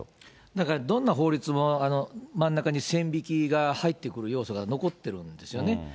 だからどんな法律も真ん中に線引きが入ってくる要素が残ってるんですよね。